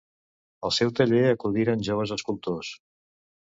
Al seu taller acudiren joves escultors.